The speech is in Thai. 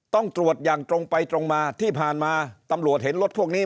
ต้องตรวจอย่างตรงไปตรงมาที่ผ่านมาตำรวจเห็นรถพวกนี้